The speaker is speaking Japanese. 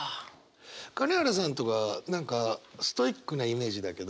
金原さんとか何かストイックなイメージだけど。